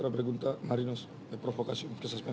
apa yang marinos telah lakukan